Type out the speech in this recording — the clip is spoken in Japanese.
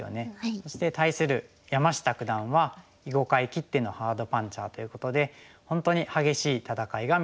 そして対する山下九段は囲碁界きってのハードパンチャーということで本当に激しい戦いが見られるんじゃないかと思って。